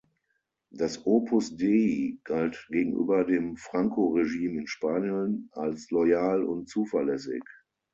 Das Opus Dei galt gegenüber dem Franco-Regime in Spanien als loyal und zuverlässig.